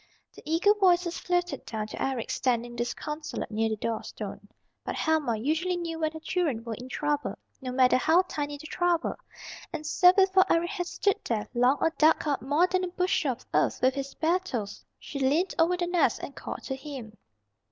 Their eager voices floated down to Eric standing disconsolate near the door stone. But Helma usually knew when her children were in trouble, no matter how tiny the trouble, and so before Eric had stood there long or dug up more than a bushel of earth with his bare toes, she leaned over the nest and called to him.